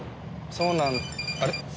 そうなんあれ？